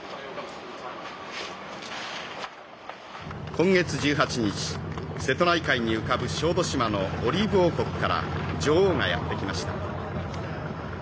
「今月１８日瀬戸内海に浮かぶ小豆島のオリーブ王国から女王がやって来ました」。